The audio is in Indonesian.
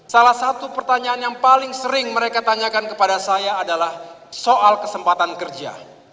salah satu pertanyaan yang paling sering mereka tanyakan kepada saya adalah soal kesempatan kerja